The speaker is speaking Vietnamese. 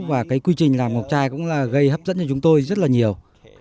và cái quy trình làm ngọc chai cũng là gây hấp dẫn cho chúng tôi rất là nhiều